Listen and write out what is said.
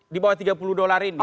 di bawah tiga puluh dolar ini